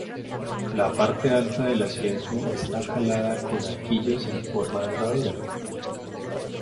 La parte alta del asiento está calada con arquillos en forma de herradura.